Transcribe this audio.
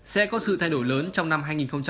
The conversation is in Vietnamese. sẽ có sự thay đổi lớn trong năm hai nghìn một mươi tám